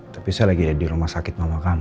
tapi saya lagi di rumah sakit mama kamu